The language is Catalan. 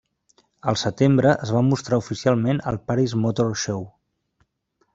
Al setembre es va mostrar oficialment al Paris Motor Show.